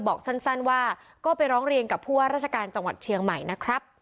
บอกสั้นว่าก็ไปร้องเรียนกับผู้ว่าราชการจังหวัดเชียงใหม่นะครับ